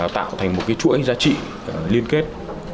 thì có thể thành một chuỗi giá trị liên kết